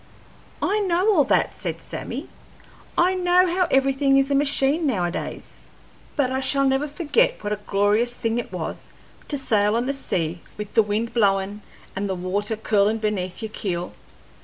"I know all that," said Sammy. "I know how everything is a machine nowadays; but I shall never forget what a glorious thing it was to sail on the sea with the wind blowin' and the water curlin' beneath your keel.